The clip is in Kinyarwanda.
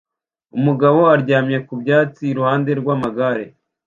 Umugabo aryamye ku byatsi iruhande rw'amagare